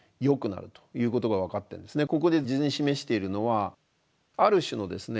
ここで図に示しているのはある種のですね